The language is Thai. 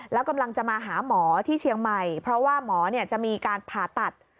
แล้วกำลังจะมาหาหมอที่เชียงใหม่เพราะว่าหมอจะมีการผ่าตัด